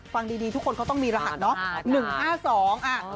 ฟังดีทุกคนเขาต้องมีรหัสเนาะ